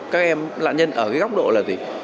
các em nạn nhân ở cái góc độ là gì